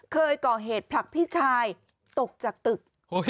เคยก่อเหตุผลักพี่ชายตกจากตึก